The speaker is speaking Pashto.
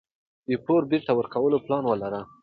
د پور بیرته ورکولو پلان ولرئ.